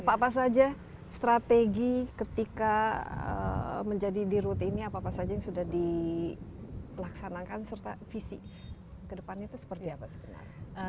jadi apa saja strategi ketika menjadi di rut ini apa apa saja yang sudah dilaksanakan serta visi ke depannya itu seperti apa sebenarnya